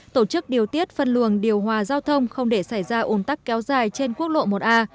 tổ chức điều tiết phân luồng điều hòa giao thông không để xảy ra ồn tắc kéo dài trên quốc lộ một a